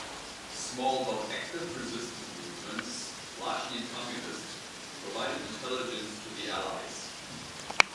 Small but active resistance movements, largely Communist, provided intelligence to the Allies.